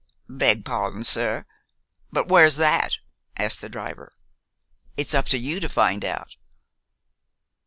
"Beg pawdon, sir, but where's that?" asked the driver. "It's up to you to find out."